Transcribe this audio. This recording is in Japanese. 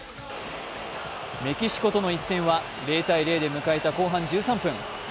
メキシコとの一戦は０−０で迎えた後半１３分。